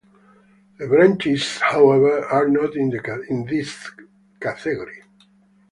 The branches, however, are not in this category.